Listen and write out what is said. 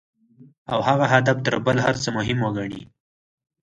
او هغه هدف تر بل هر څه مهم وګڼي.